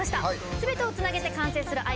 すべてをつなげて完成するあい